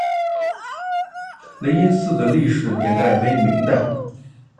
雷音寺的历史年代为明代。